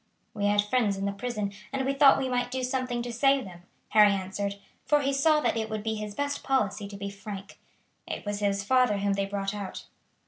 "We had friends in the prison, and we thought we might do something to save them," Harry answered, for he saw that it would be his best policy to be frank. "It was his father whom they brought out."